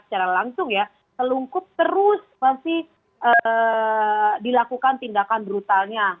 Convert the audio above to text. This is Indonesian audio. secara langsung ya selungkup terus masih dilakukan tindakan brutalnya